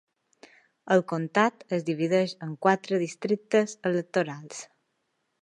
El comtat es divideix en quatre districtes electorals.